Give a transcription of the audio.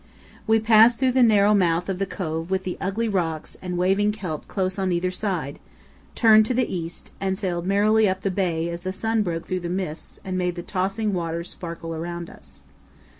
We passed through the narrow mouth of the cove with the ugly rocks and waving kelp close on either side, turned to the east, and sailed merrily up the bay as the sun broke through the mists and made the tossing waters sparkle around us.